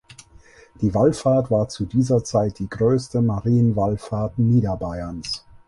Die Wallfahrt war zu dieser Zeit die größte Marienwallfahrt Niederbayerns.